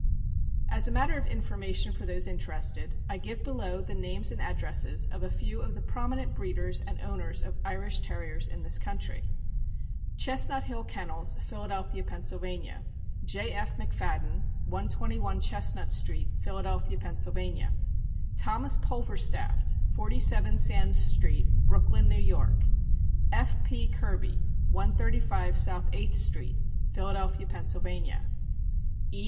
As a matter of information for those interested, I give below the names and addresses of a few of the prominent breeders and owners of Irish Terriers in this country: Chestnut Hill Kennels, Philadelphia, Penn.; J. F. McFad den, 121 Chestnut street, Philadelphia, Penn.; Thomas Pulverstaft, 47 Sands street, Brooklyn, N. Y.; F. P. Kirby, 135 South Eighth street, Philadelphia, Penn. ; E.